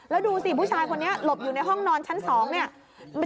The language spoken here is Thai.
แล้วดูสิผู้ชายคนนี้หลบอยู่ในห้องนอนชั้น๒เนี่ย